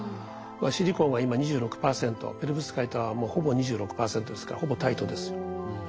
シリコンは今２６％ペロブスカイトはもうほぼ２６％ですからほぼ対等ですよ。